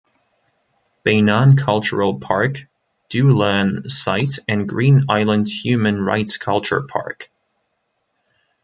Beinan Cultural Park, Dulan Site and Green Island Human Rights Culture Park.